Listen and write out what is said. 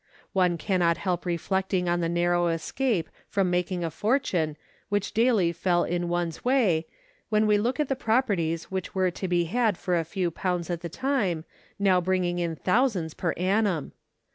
One cannot help reflecting on the narrow escape from making a fortune which daily fell in one's way, when we look at the properties which were to be had for a few pounds at the time, now bringing in thousands per annum.